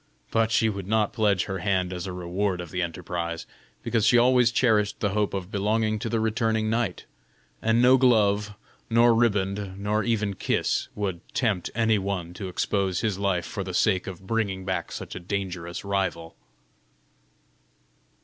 But she would not pledge her hand as a reward of the enterprise, because she always cherished the hope of belonging to the returning knight, and no glove, nor riband, nor even kiss, would tempt any one to expose his life for the sake of bringing back such a dangerous rival.